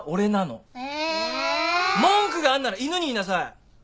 文句があんなら犬に言いなさい。